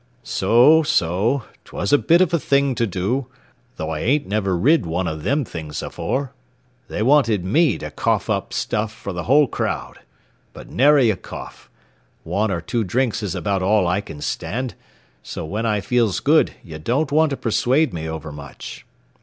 "So, so; 'twas a bit of a thing to do, though I ain't never rid one of them things afore. They wanted me to cough up stuff for the whole crowd. But nary a cough. One or two drinks is about all I can stand; so when I feels good ye don't want to persuade me over much.